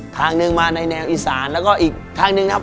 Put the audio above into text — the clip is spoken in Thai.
ทางหนึ่งมาในแนวอีสานแล้วก็อีกทางหนึ่งนะครับ